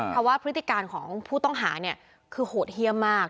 เพราะว่าพฤติการของผู้ต้องหาเนี่ยคือโหดเยี่ยมมาก